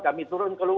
kami turun ke lu